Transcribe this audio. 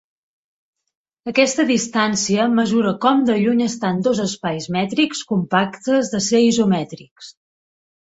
Aquesta distància mesura com de lluny estan dos espais mètrics compactes de ser isomètrics.